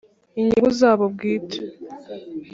inyungu zabo bwite